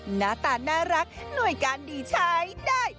หน้าตาน่ารักหน่วยการดีใช้ได้